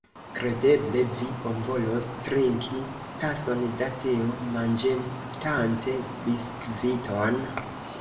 Kredeble vi bonvolos trinki tason da teo, manĝetante biskviton?